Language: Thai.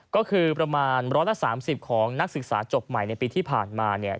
ก็คือประมาณ๑๓๐ของนักศึกษาจบใหม่ในปีที่ผ่านมาเนี่ย